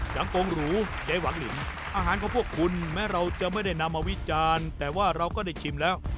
จำโปรงหรูใยหวังลินอาหารของพวกคุณแม้เราจะไม่ได้นำมาวิจารณ์แต่ว่าเราก็ได้ชิมแล้ว